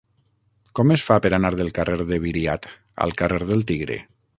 Com es fa per anar del carrer de Viriat al carrer del Tigre?